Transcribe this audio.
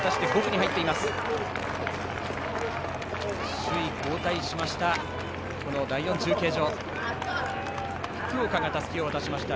首位、交代しました第４中継所。